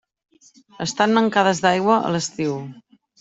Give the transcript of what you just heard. Estan mancades d'aigua a l'estiu.